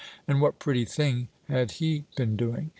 And what pretty thing had he been doing?